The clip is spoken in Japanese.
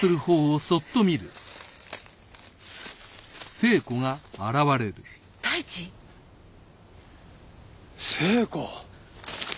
聖子。